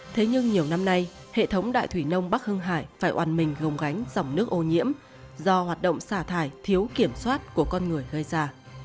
thế nhưng nhiều năm nay hệ thống đại thủy nông bắc hưng hải phải oàn mình gồng gánh dòng nước ô nhiễm do hoạt động xả thải thiếu kiểm soát của con người gây ra